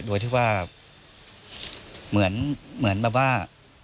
โดยที่ว่าเหมือนแบบว่า